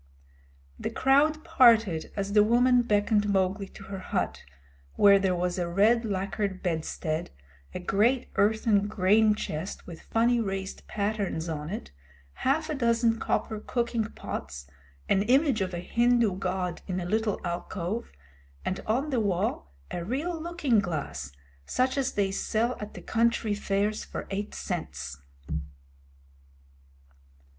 The crowd parted as the woman beckoned Mowgli to her hut, where there was a red lacquered bedstead, a great earthen grain chest with funny raised patterns on it, half a dozen copper cooking pots, an image of a Hindu god in a little alcove, and on the wall a real looking glass, such as they sell at the country fairs.